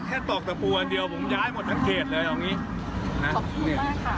แค่ตอกตะปูอันเดียวผมย้ายหมดทั้งเขตเลยเอาอย่างงี้น่ะขอบคุณมากค่ะ